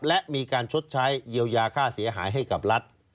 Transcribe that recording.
และมีการชดใช้เยียวยาค่าเสียหายให้กับรัฐ